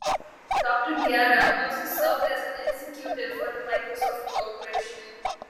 Doctor Diarra also served as an executive for the Microsoft Corporation.